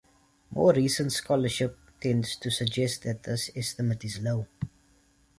More recent scholarship tends to suggest that this estimate is low.